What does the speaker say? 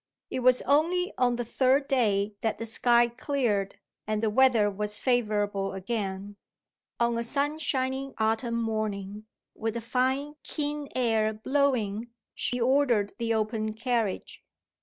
It was only on the third day that the sky cleared, and the weather was favourable again. On a sunshiny autumn morning, with a fine keen air blowing, she ordered the open carriage.